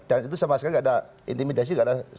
dan itu sama sekali nggak ada intimidasi nggak ada